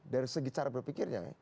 dari segi cara berpikirnya